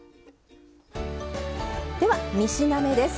では、３品目です。